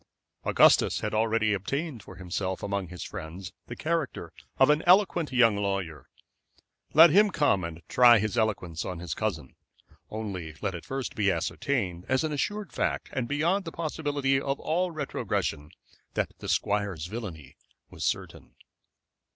Augustus had already obtained for himself among his friends the character of an eloquent young lawyer. Let him come and try his eloquence on his cousin, only let it first be ascertained, as an assured fact, and beyond the possibility of all retrogression, that the squire's villainy was certain.